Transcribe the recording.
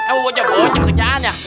eh mau bocah bocak kerjaannya